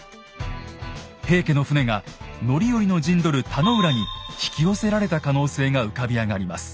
平家の船が範頼の陣取る田野浦に引き寄せられた可能性が浮かび上がります。